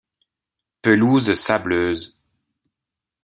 Pelouses sableuses.